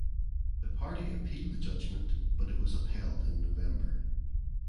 The party appealed the judgement but it was upheld in November.